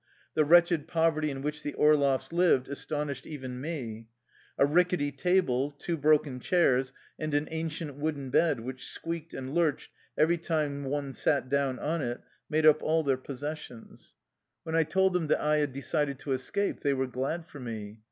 The wretched poverty in which the Orloffs lived as tonished even me. A rickety table, two broken chairs, and an ancient wooden bed which squeaked and lurched every time one sat down on it made up all their possessions. 115 THE LIFE STOEY OF A EUSSIAN EXILE When I told them that I had decided to escape they were glad for me.